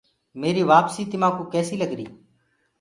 ميري وآپسي تمآڪوُ ڪيسي لگر۔